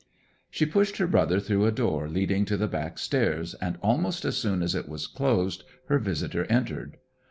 She pushed her brother through a door leading to the back stairs, and almost as soon as it was closed her visitor entered.